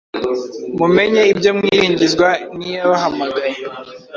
mumenye ibyo mwiringizwa n’Iyabahamagaye,